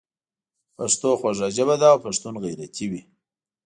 پښتو خوږه ژبه ده او پښتون غیرتي وي.